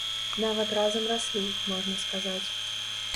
Нават разам раслі, можна сказаць.